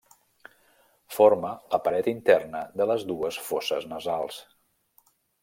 Forma la paret interna de les dues fosses nasals.